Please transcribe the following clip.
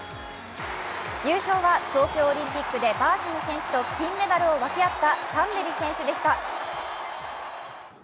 優勝は東京オリンピックでバーシム選手と金メダルを分け合ったタンベリ選手でした。